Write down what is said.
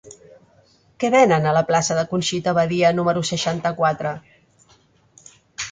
Què venen a la plaça de Conxita Badia número seixanta-quatre?